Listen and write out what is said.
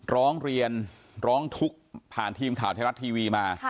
ร้องเรียนร้องทุกข์ผ่านทีมข่าวไทยรัฐทีวีมา